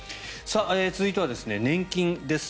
続いては年金です。